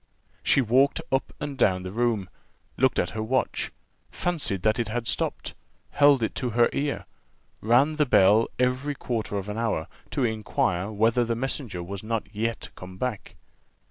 She walked up and down the room looked at her watch fancied that it had stopped held it to her ear ran the bell every quarter of an hour, to inquire whether the messenger was not yet come back.